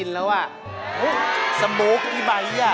ใหม่